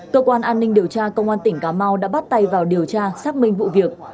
cơ quan an ninh điều tra công an tỉnh cà mau đã bắt tay vào điều tra xác minh vụ việc